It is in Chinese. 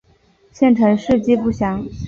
县成事迹不详。